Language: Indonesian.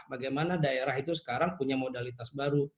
bagaimana daerah itu sekarang punya modalitas baru